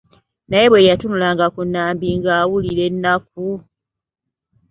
Naye bwe yatunulanga ku Nambi ng'awulira ennaku.